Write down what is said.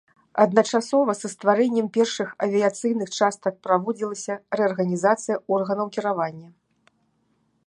Адначасова са стварэннем першых авіяцыйных частак праводзілася рэарганізацыя органаў кіравання.